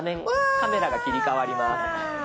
カメラが切り替わります。